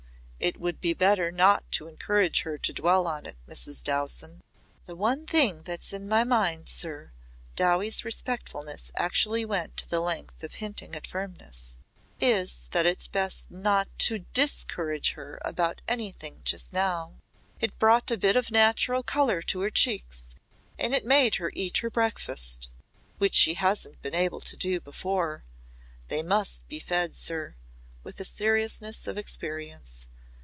It would be better not to encourage her to dwell on it, Mrs. Dowson." "The one thing that's in my mind, sir," Dowie's respectfulness actually went to the length of hinting at firmness "is that it's best not to _dis_courage her about anything just now. It brought a bit of natural colour to her cheeks and it made her eat her breakfast which she hasn't been able to do before. They must be fed, sir," with the seriousness of experience.